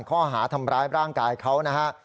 ข้อหาทำร้ายร่างกายเขานะฮะ